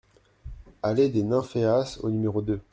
ALLEE DES NYMPHEAS au numéro deux